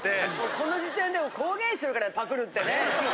この時点でもう公言してるからねパクるってね。